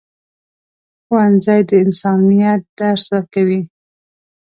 ښوونځی د انسانیت درس ورکوي.